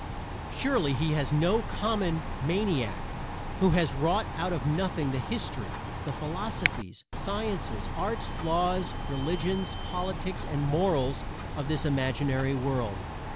Surely he is no common maniac who has wrought out of nothing the history, the philosophies, sciences, arts, laws, religions, politics and morals of this imaginary world.